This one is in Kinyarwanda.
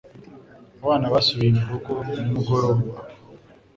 Abana basubiye murugo nimugoroba.